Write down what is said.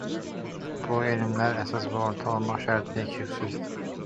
Bu elmlərin əsas və ortaq olmaq şərti ilə iki xüsusiyyəti var.